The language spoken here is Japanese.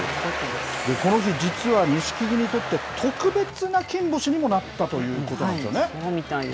この日、実は錦木にとって、特別な金星にもなったということなんですよね。